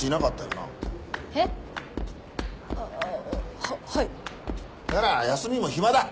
なら休みも暇だ！